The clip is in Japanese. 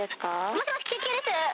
もしもし、救急です。